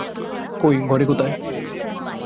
কই, ঘরে কোথায়?